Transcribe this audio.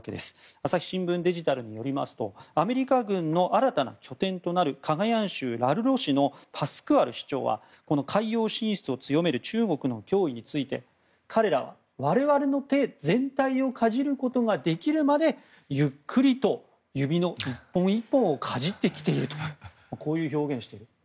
朝日新聞デジタルによりますとアメリカ軍の新たな拠点となるカガヤン州ラルロ市のパスクアル市長はこの海洋進出を強める中国の脅威について彼らは我々の手全体をかじることができるまでゆっくりと指の１本１本をかじってきているという表現をしています。